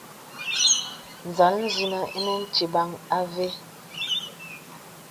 Nzāl zənəŋ ìnə tibaŋ àvé.